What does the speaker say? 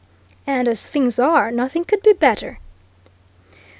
"And as things are, nothing could be better!"